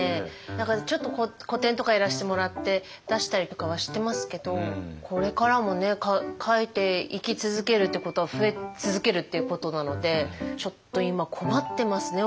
何かちょっと個展とかやらせてもらって出したりとかはしてますけどこれからも描いていき続けるってことは増え続けるっていうことなのでちょっと今困ってますね。